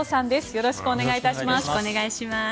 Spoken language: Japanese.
よろしくお願いします。